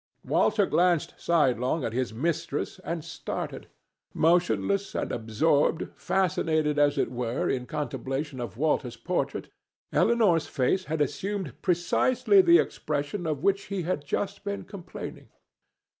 Walter glanced sidelong at his mistress, and started. Motionless and absorbed, fascinated, as it were, in contemplation of Walter's portrait, Elinor's face had assumed precisely the expression of which he had just been complaining.